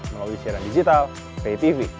melalui siaran digital paytv